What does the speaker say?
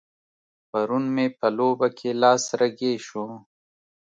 پرون مې په لوبه کې لاس رګی شو.